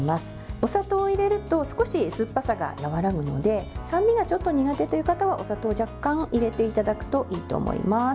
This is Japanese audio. お砂糖を入れると少し酸っぱさが和らぐので酸味がちょっと苦手という方はお砂糖を若干入れていただくといいと思います。